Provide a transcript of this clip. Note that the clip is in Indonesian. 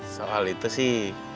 soal itu sih